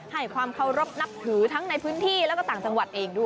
ให้ความเคารพนับถือทั้งในพื้นที่แล้วก็ต่างจังหวัดเองด้วย